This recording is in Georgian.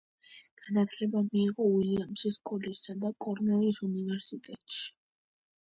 განათლება მიიღო უილიამსის კოლეჯსა და კორნელის უნივერსიტეტში.